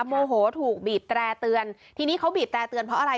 โมโหถูกบีบแตร่เตือนทีนี้เขาบีบแตร่เตือนเพราะอะไร